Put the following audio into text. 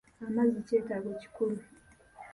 Amazzi kyetaago kikulu.